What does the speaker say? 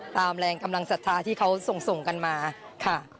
ตามแรงกำลังศรัทธาที่เขาส่งกันมาค่ะ